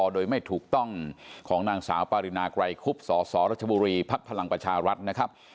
โดยไม่ถูกต้องของนางสาวปารินาไกรคุบสสรัชบุรีภักดิ์พลังประชารัฐนะครับ